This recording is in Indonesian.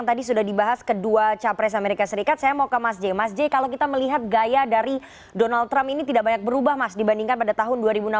jadi beberapa poinnya itu